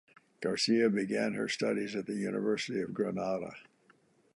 Garcia began her studies at the University of Granada.